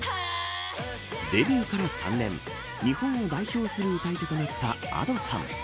デビューから３年日本を代表する歌い手となったＡｄｏさん